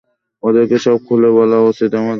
ওদেরকে সব খুলে বলা উচিত আমাদের।